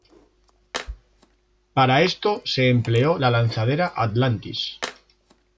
Para esto se empleó la lanzadera Atlantis.